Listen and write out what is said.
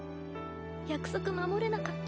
約束守れなかった。